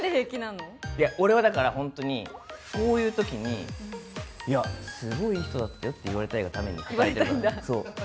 いや、俺はだから、本当にこういうときに、いや、すごいいい人だってよって言われたいがために働いてるから。